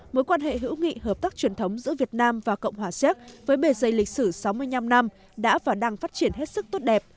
mối quan hệ hữu nghị hợp tác truyền thống giữa việt nam và cộng hòa xéc với bề dây lịch sử sáu mươi năm năm đã và đang phát triển hết sức tốt đẹp